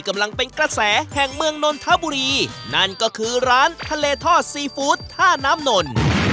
กำลังเป็นกระแสแห่งเมืองนนทบุรีนั่นก็คือร้านทะเลทอดซีฟู้ดท่าน้ำนน